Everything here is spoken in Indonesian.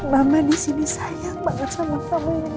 mama disini sayang banget sama kamu ya nindy